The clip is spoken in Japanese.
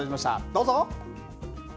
どうぞ。